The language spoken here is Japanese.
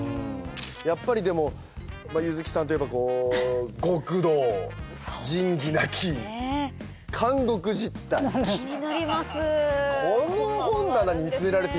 やっぱりでも柚月さんといえばこう『極道』『仁義なき』『監獄実態』気になります。